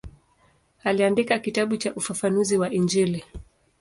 Aliandika kitabu cha ufafanuzi wa Injili.